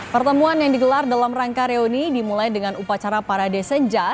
pertemuan yang digelar dalam rangka reuni dimulai dengan upacara para desenja